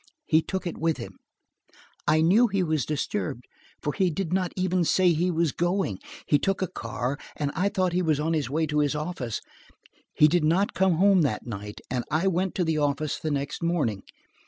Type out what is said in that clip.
"He took it with him. I knew he was disturbed, for he did not even say he was going. He took a car, and I thought he was on his way to his office. He did not come home that night and I went to the office the next morning.